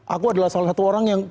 aku adalah salah satu orang yang